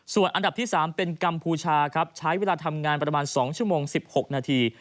ส่วนอันดับที่๓เป็นกัมพูชาครับใช้เวลาทำงานประมาณ๒ชั่วโมง๑๖นาที